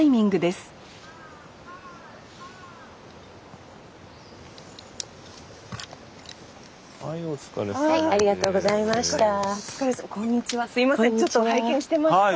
すいませんちょっと拝見してました。